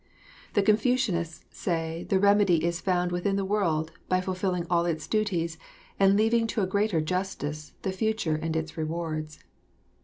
The Confucianists say the remedy is found within the world by fulfilling all its duties and leaving to a greater Justice the future and its rewards.